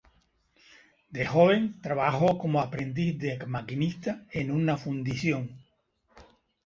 De joven trabajó como aprendiz de maquinista en una fundición.